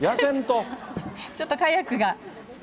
ちょっとカヤックが。